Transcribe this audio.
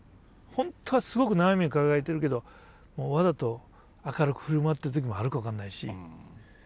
本当はすごく悩みを抱えてるけどわざと明るく振る舞っている時もあるか分かんないし。